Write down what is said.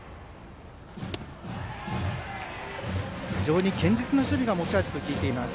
非常に堅実な守備が持ち味と聞いています。